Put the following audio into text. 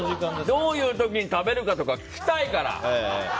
どういう時に食べるとか聞きたいから。